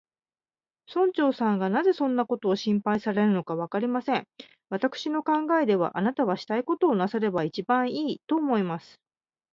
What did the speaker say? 村長さんがなぜそんなことを心配されるのか、わかりません。私の考えでは、あなたはしたいことをなさればいちばんいい、と思います。